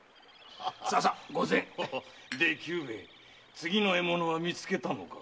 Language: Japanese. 次の獲物は見つけたのか？